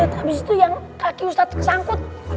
habis itu yang kakek ustadz kesangkut